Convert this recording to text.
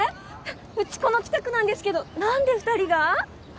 うちこの近くなんですけど何で二人が？